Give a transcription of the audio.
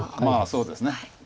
まあそうですね。